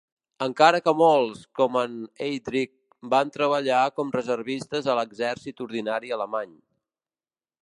Encara que molts, com en Heydric, van treballar com reservistes a l"exèrcit ordinari alemany.